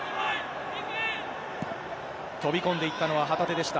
飛び込んでいったのは、旗手でした。